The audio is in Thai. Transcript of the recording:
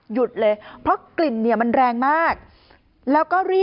หยุดเลยเพราะกลิ่นมันแรงมาก